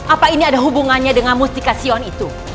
apa ini ada hubungannya dengan mustika sion itu